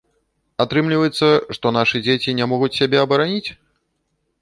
Атрымліваецца, што нашы дзеці не могуць сябе абараніць?